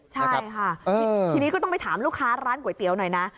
ใช่ค่ะทีนี้ก็ต้องไปถามลูกค้าร้านก๋วยเตี๋ยวหน่อยนะ